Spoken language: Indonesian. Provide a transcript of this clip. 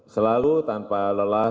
selalu tanpa lelah